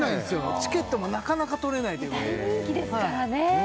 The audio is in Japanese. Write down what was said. チケットもなかなか取れないということで大人気ですからね